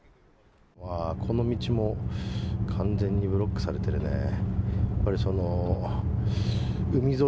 この道も完全にブロックされてるね。